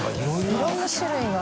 いろんな種類が。